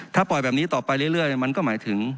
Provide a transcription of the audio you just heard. ถ้าปล่อยแบบนี้ต่อไปเรื่อยมันก็หมายถึง